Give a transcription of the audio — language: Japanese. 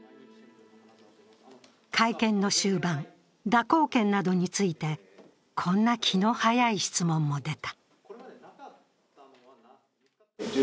会見の終盤、蛇行剣などについてこんな気の早い質問も出た。